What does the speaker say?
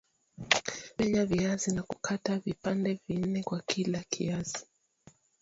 Menya viazi na kukata vipande nne kwa kila kiazi